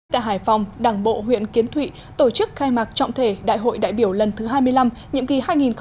tại hải phòng đảng bộ huyện kiến thụy tổ chức khai mạc trọng thể đại hội đại biểu lần thứ hai mươi năm nhiệm kỳ hai nghìn hai mươi hai nghìn hai mươi năm